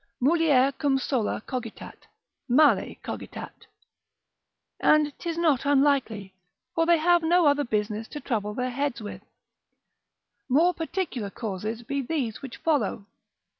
Mulier cum sola cogitat, male cogitat: and 'tis not unlikely, for they have no other business to trouble their heads with. More particular causes be these which follow.